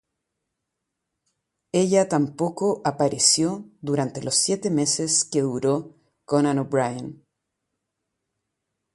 Ella tampoco apareció durante los siete meses que duró Conan O'Brien.